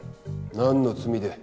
何の罪で？